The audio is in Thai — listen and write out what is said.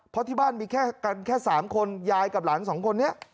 เพราะที่บ้านมีแค่กันแค่๓คนยายกับหลานสองคนนี้